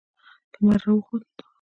لمر راوخوت